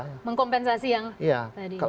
untuk kompensasi yang tadi